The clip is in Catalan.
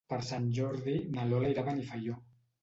Per Sant Jordi na Lola irà a Benifaió.